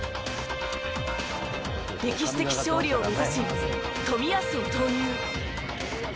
歴史的勝利を目指し冨安を投入。